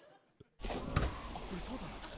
あっこれそうだな。